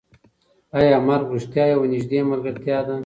ایا مرګ رښتیا یوه نږدې ملګرتیا ده؟